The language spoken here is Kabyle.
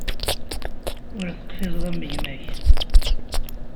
Ur teqfizeḍ am gma-k.